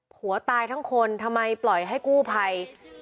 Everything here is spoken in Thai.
ผัวตายทั้งคนทำไมปล่อยให้กู้ภัย